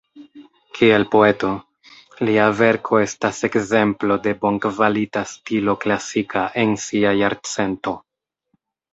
Kiel poeto, lia verko estas ekzemplo de bonkvalita stilo klasika en sia jarcento.